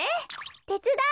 てつだう。